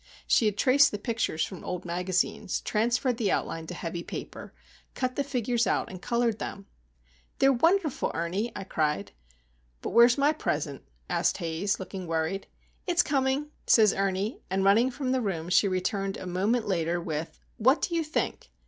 She had traced the pictures from old magazines, transferred the outline to heavy paper, cut the figures out and coloured them. "They're wonderful, Ernie!" I cried. "But where's my present?" asked Haze, looking worried. "It's coming," says Ernie. And, running from the room, she returned a moment later with—what do you think?